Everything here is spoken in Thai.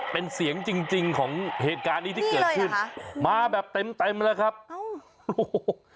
เป็นเสียงจริงจริงของเหตุการณ์นี้ที่เกิดขึ้นมาแบบเต็มเต็มแล้วครับโอ้โห